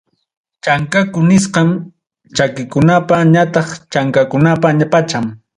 Chankaku nisqam, chakikunapa ñataq chankakunapa pacham.